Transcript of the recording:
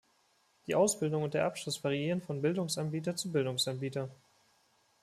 Die Ausbildung und der Abschluss variieren von Bildungsanbieter zu Bildungsanbieter.